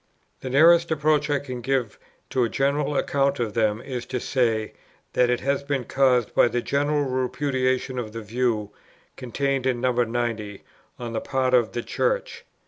"The nearest approach I can give to a general account of them is to say, that it has been caused by the general repudiation of the view, contained in No. 90, on the part of the Church.